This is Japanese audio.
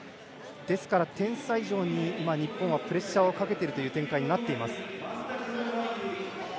ですから、点差以上に日本がプレッシャーをかけているという展開になっています。